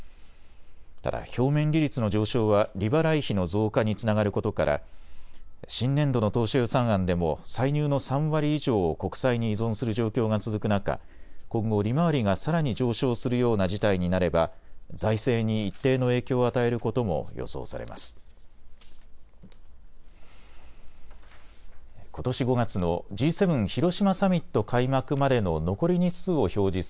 ただ表面利率の上昇は利払い費の増加につながることから新年度の当初予算案でも歳入の３割以上を国債に依存する状況が続く中、今後、利回りがさらに上昇するような事態になれば財政に一定の影響を与えることも予想されます。